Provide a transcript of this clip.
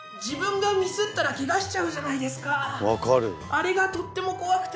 あれがとっても怖くて。